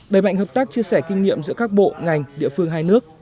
đẩy mạnh hợp tác chia sẻ kinh nghiệm giữa các bộ ngành địa phương hai nước